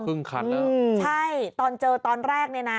พึ่งคันแล้วอืมใช่ตอนเจอตอนแรกนี่นะ